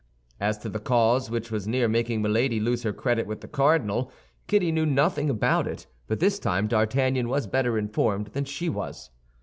As to the cause which was near making Milady lose her credit with the cardinal, Kitty knew nothing about it; but this time D'Artagnan was better informed than she was.